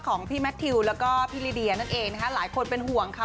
ของพี่แมททิวแล้วก็พี่ลิเดียนั่นเองนะคะหลายคนเป็นห่วงค่ะ